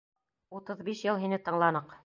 Утыҙ биш йыл һине тыңланыҡ.